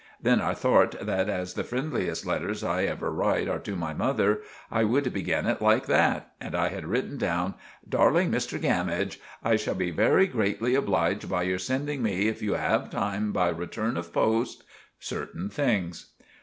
Then I thort that as the friendliest letters I ever write are to my mother, I would begin it like that; and I had written down "Darling Mr Gammidge, I shall be very grately obliged by your sending me if you have time by return of post"—certain things.